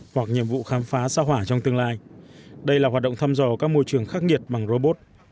hoặc nhiệm vụ khám phá xa hỏa trong tương lai đây là hoạt động thăm dò các môi trường khắc nghiệt bằng robot